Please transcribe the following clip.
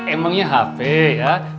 emangnya hp ya